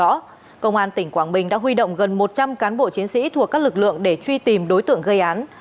trước đó công an tỉnh quảng bình đã huy động gần một trăm linh cán bộ chiến sĩ thuộc các lực lượng để truy tìm đối tượng gây án